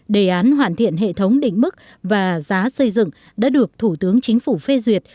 đề án hoàn thiện hệ thống định mức và giá xây dựng đã được thủ tướng chính phủ phê duyệt